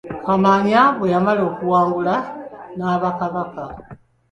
Kamaanya bwe yamala okuwangula n'aba Kabaka.